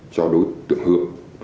cho đối tượng hương